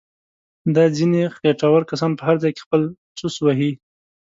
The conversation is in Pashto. دا ځنیې خېټور کسان په هر ځای کې خپل څوس وهي.